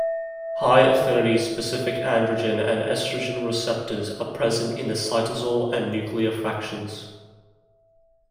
High-affinity specific androgen and estrogen receptors are present in the cytosol and nuclear fractions.